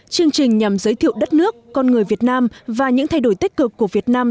chương trình nhằm giới thiệu đất nước con người việt nam và những thay đổi tích cực của việt nam